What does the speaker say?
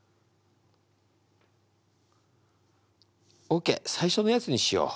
オッケー最初のやつにしよう。